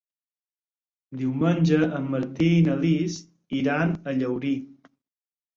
Diumenge en Martí i na Lis iran a Llaurí.